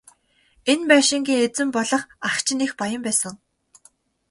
Энэ байшингийн эзэн болох ах чинь их баян байсан.